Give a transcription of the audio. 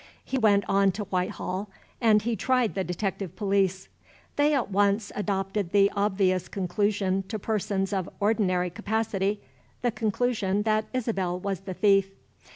He went on to Whitehall, and he tried the detective police. They at once adopted the obvious conclusion to persons of ordinary capacity the conclusion that Isabel was the thief.